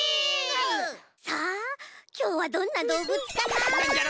さあきょうはどんなどうぶつかな？